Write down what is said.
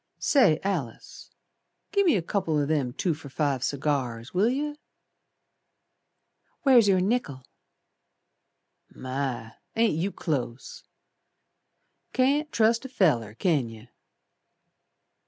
"Say, Alice, gi' me a couple O' them two for five cigars, Will yer?" "Where's your nickel?" "My! Ain't you close! Can't trust a feller, can yer."